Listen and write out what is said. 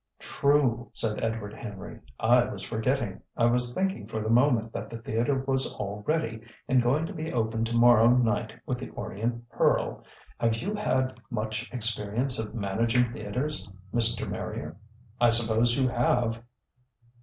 "True!" said Edward Henry. "I was forgetting! I was thinking for the moment that the theatre was all ready and going to be opened to morrow night with 'The Orient Pearl.' Have you had much experience of managing theatres, Mr. Marrier? I suppose you have."